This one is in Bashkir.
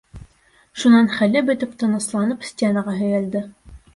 Шунан хәле бөтөп тынысланып стенаға һөйәлде.